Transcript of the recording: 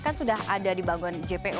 kan sudah ada dibangun jpo